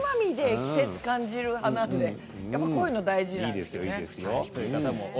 季節を感じる派なのでこういうの大事です。